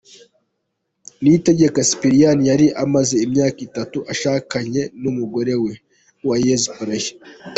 Niyitegeka Sipiriyani yari amaze imyaka itatu ashakanye n’umugore we, Uwayezu Pelagie.